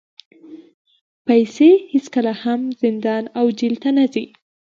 پیسې هېڅکله هم زندان او جېل ته نه ځي.